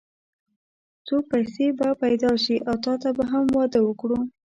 څو پيسې به پيدا شي او تاته به هم واده وکړو.